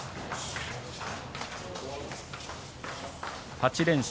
８連勝